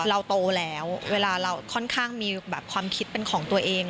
เราโตแล้วเวลาเราค่อนข้างมีความคิดเป็นของตัวเอง